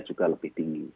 juga lebih tinggi